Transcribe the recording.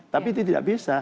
tapi itu tidak bisa